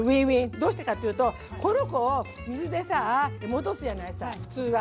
どうしてかっていうとこの子を水でさ戻すじゃないさ普通は。